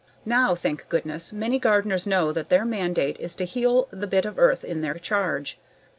Now, thank goodness, many gardeners know that their mandate is to heal the bit of earth in their charge.